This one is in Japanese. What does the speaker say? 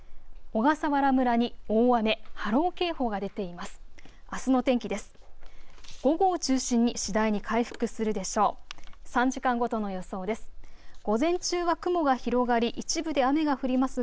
小笠原村に大雨、波浪警報が出ています。